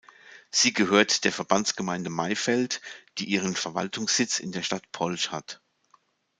Sie gehört der Verbandsgemeinde Maifeld, die ihren Verwaltungssitz in der Stadt Polch hat.